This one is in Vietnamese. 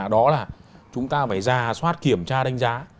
đó là chúng ta phải ra soát kiểm tra đánh giá